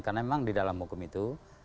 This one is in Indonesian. karena memang di dalam hukum itu